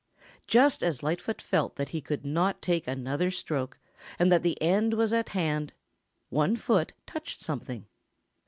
Just as Lightfoot felt that he could not take another stroke and that the end was at hand, one foot touched something.